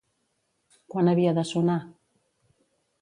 Quan havia de sonar?